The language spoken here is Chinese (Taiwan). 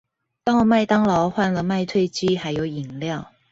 到麥當勞換了麥脆雞還有飲料